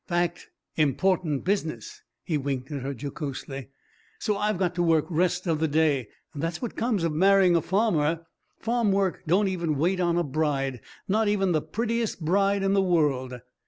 Fact. Important business." He winked at her jocosely. "So I've got to work rest of the day. That's what comes of marrying a farmer. Farm work don't even wait on a bride, not even the prettiest bride in the world."